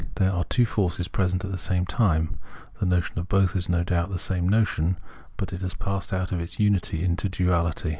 There are two forces present at the same time ; the notion of both is no doubt the same notion, but it has passed out of its unity into duality.